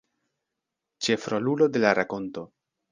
Ĉefrolulo de la rakonto.